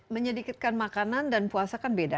menyedikitkan makanan dan puasa kan beda